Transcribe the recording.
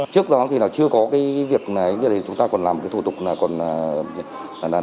trước đó thì nó chưa có cái việc này chúng ta còn làm cái thủ tục là còn đơn giản nhưng mà bằng hệ thống thủ công